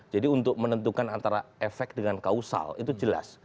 jadi untuk menentukan antara efek dengan kausal itu jelas